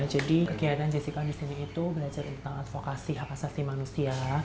jadi kegiatan jessica di sini itu belajar tentang advokasi hapasasi manusia